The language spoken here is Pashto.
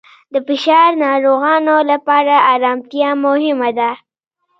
د فشار ناروغانو لپاره آرامتیا مهمه ده.